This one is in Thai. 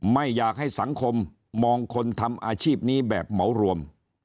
ไม่อยากให้สังคมมองคนทำอาชีพนี้แบบเหมารวม